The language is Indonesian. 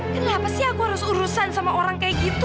kenapa sih aku harus urusan sama orang kayak gitu